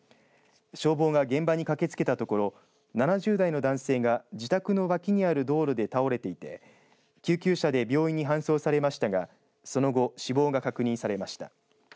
消防が現場に駆けつけたところ７０代の男性が自宅の脇にある道路で倒れていて救急車で病院に搬送されましたがその後、死亡が確認されました。